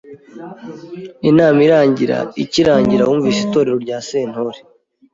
Inama irangira ikirangira Wumvise itorero rya Sentore